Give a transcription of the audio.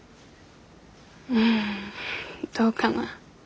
うんどうかな